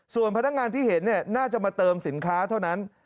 ส่วนพนักงานที่เห็นน่าจะมาเติมสินค้าเท่านั้น